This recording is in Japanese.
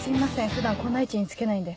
普段こんな位置に着けないんで。